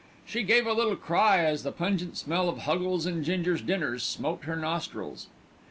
She gave a little cry as the pungent smell of Huggles' and Ginger's dinners smote her nostrils.